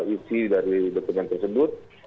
isi dari dokumen tersebut